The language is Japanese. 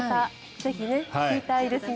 ぜひ見たいですね。